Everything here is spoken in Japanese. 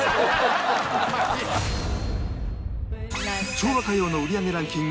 「昭和歌謡の売り上げランキング